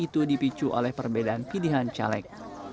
itu dipicu oleh perbedaan pilihan caleg